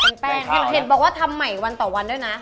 แล้วเห็นบอกว่าทำใหม่ต่อวันด้วยนะคะ